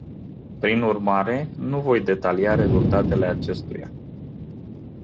Prin urmare, nu voi detalia rezultatele acestuia.